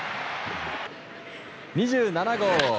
２７号。